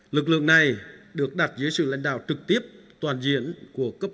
lực lượng này được đặt dưới sự lãnh đạo trực tiếp toàn diện của cấp